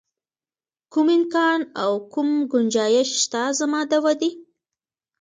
کوم امکان او کوم ګنجایش شته زما د ودې.